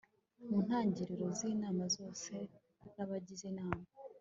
Mu ntagiriro z inama zose z abagize Inama